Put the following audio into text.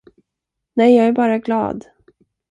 Nej, jag är bara glad.